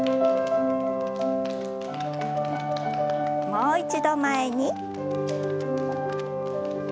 もう一度前に。